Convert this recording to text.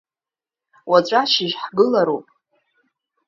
Уаҵәы ашьыжь ҳгылароуп.